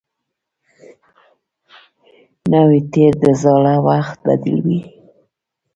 نوی تېر د زاړه وخت بدیل وي